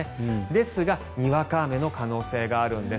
ですが、にわか雨の可能性があるんです。